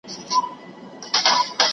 داسې پښتو، داسې غېـــــــرت نه منــم